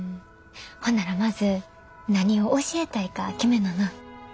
ほんならまず何を教えたいか決めなな。